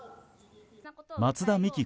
松田美樹